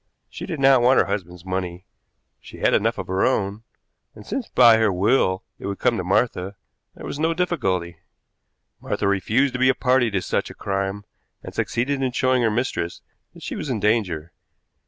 She did not want her husband's money she had enough of her own, and, since by her will it would come to Martha, there was no difficulty. Martha refused to be a party to such a crime, and succeeded in showing her mistress that she was in danger.